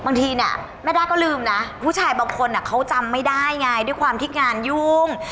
บางทีเนี่ยแม่ด้าก็ลืมนะผู้ชายบางคนเขาจำไม่ได้ไงด้วยความที่งานยุ่ง